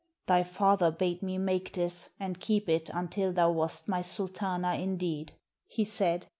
"Thy father bade me make this and keep it until thou wast my Sultana, indeed," he said.